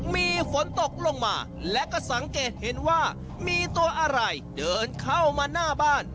มีฝนตกลงมาและก็สังเกตเห็นว่ามีตัวอะไรเดินเข้ามาหน้าบ้าน